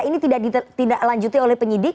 ini tidak ditindaklanjuti oleh penyidik